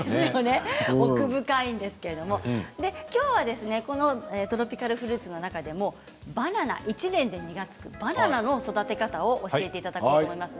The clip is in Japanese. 奥深いんですけどきょうはこのトロピカルフルーツの中でもバナナ１年で実がつくバナナの育て方を教えていただきます。